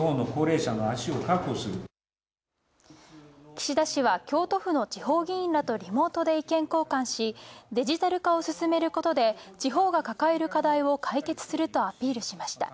岸田氏は京都府の地方議員らとリモートで意見交換し、デジタル化をすすめることで地方が抱える課題を解決するとアピールしました。